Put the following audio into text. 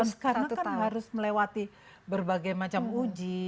sekarang kan harus melewati berbagai macam uji